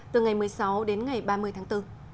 từ ngày một mươi sáu đến ngày ba mươi tháng bốn